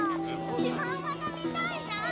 シマウマが見たいな！